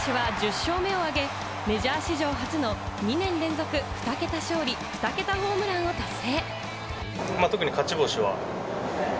大谷選手は１０勝目を挙げ、メジャー史上初の２年連続２桁勝利２桁ホームランを達成。